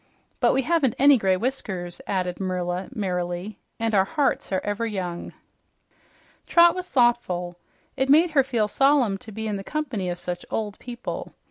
"But we haven't any gray whiskers," added Merla merrily, "and our hearts are ever young." Trot was thoughtful. It made her feel solemn to be in the company of such old people.